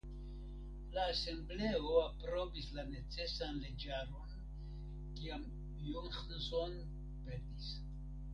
La Asembleo aprobis la necesan leĝaron kiam Johnson petis.